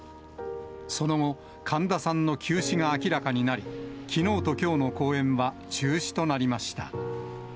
その後、神田さんの急死が明らかになり、きのうときょうの公演は中止となりました。